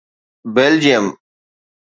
Belgium